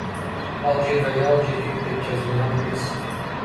Ал жерде аял же эркек деп жазылган эмес.